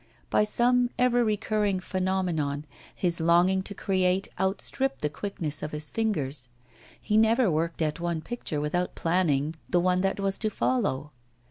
By some ever recurring phenomenon, his longing to create outstripped the quickness of his fingers; he never worked at one picture without planning the one that was to follow.